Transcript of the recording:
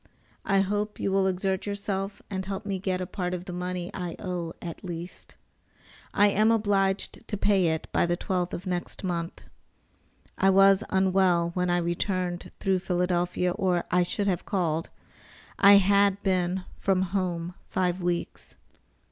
I hope you will exert yourself and help me get a part of the money I owe, at least. I am obliged to pay it by the 12th of next month. I was unwell when I returned through Philadelphia, or I should have called. I had been from home five weeks.